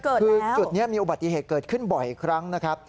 คือจุดนี้มีอุบัติเหตุเกิดขึ้นบ่อยครั้งนะครับ